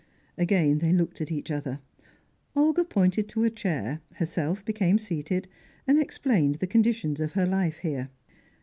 Again they looked at each other; Olga pointed to a chair, herself became seated, and explained the conditions of her life here.